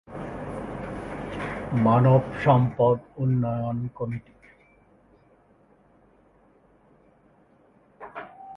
মানবসম্পদ উন্নয়ন কমিটি।